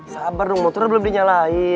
sabar dong motornya belum dinyalain